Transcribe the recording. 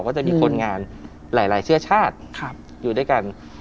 ก็จะมีคนงานหลายเชื้อชาติอยู่ด้วยกัน